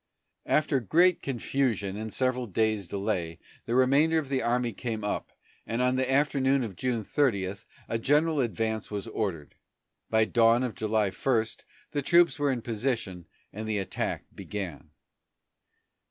After great confusion and several days' delay, the remainder of the army came up, and on the afternoon of June 30 a general advance was ordered. By dawn of July 1 the troops were in position and the attack began.